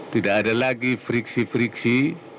tidak ada lagi friksi friksi